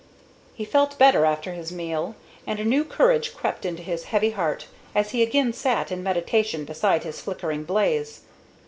He felt better after his meal, and a new courage crept into his heavy heart as he again sat in meditation beside his flickering blaze.